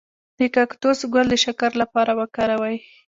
د کاکتوس ګل د شکر لپاره وکاروئ